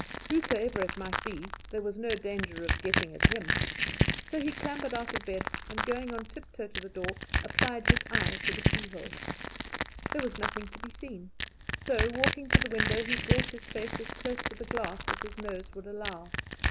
Whosoever it might be, there was no danger of their getting at him; so he clambered out of bed, and going on tiptoe to the door, applied his eye to the keyhole. There was nothing to be seen; so walking to the window, he brought his face as close to the glass as his nose would allow.